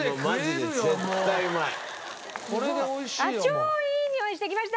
超いいにおいしてきました！